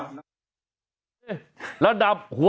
จัดกระบวนพร้อมกัน